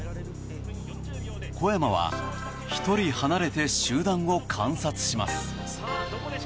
小山は１人離れて集団を観察。